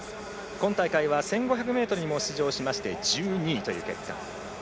今大会は１５００ｍにも出場しまして１２位という結果。